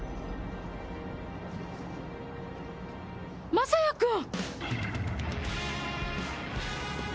将也くん！